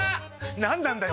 何なんだよ